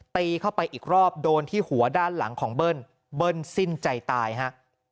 ตีเข้าไปอีกรอบโดนที่หัวด้านหลังของเบิ้ลเบิ้ลสิ้นใจตายฮะ